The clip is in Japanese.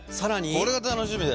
これは楽しみだよ。